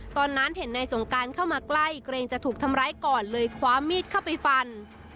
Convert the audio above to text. ตอนนั้นเห็นนายสงการเข้ามาใกล้เกรงจะถูกทำร้ายก่อนเลยคว้ามีดเข้าไปฟัน